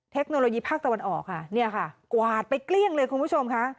เทคโนโลยีภาคตะวันออกค่ะเนี่ยค่ะกวาดไปเกลี้ยงเลยคุณผู้ชมค่ะ